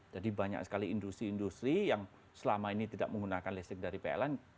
jadi banyak sekali industri industri yang selama ini tidak menggunakan listrik dari pln